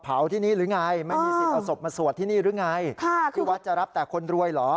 ที่นี่หรือไงไม่มีสิทธิ์เอาศพมาสวดที่นี่หรือไงที่วัดจะรับแต่คนรวยเหรอ